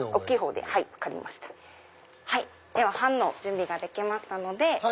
では版の準備ができましたので。